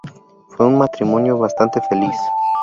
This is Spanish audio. Fue un matrimonio bastante feliz.